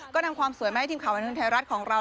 ก็นำความสวยมาให้ทีมข่าวบันเทิงไทยรัฐของเรา